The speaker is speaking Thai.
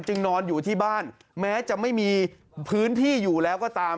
นอนอยู่ที่บ้านแม้จะไม่มีพื้นที่อยู่แล้วก็ตาม